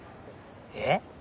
えっ？